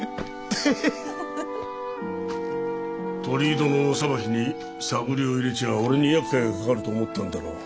鳥居殿の裁きに探りを入れちゃ俺に厄介がかかると思ったんだろう？